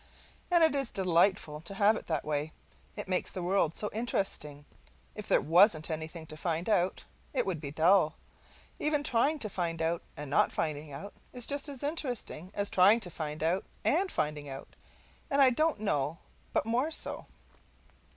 And it is delightful to have it that way, it makes the world so interesting. If there wasn't anything to find out, it would be dull. Even trying to find out and not finding out is just as interesting as trying to find out and finding out, and I don't know but more so.